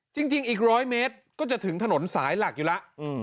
อีก๑๐๐เมตรก็จะถึงถนนสายหลักอยู่แล้ว